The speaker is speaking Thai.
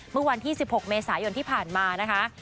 เมื่อวันที่๑๖เมษายนที่ผ่านมานะคะ